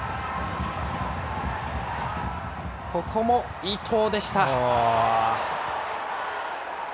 ここも伊東でした。